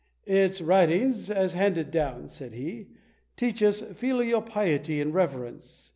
"Its writings as handed down," said he, "teach us filial piety and reverence.